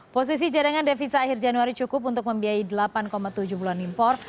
posisi cadangan devisa akhir januari cukup untuk membiayai delapan tujuh bulan impor